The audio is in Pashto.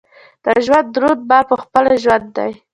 د ژوند دروند بار پخپله ژوند دی.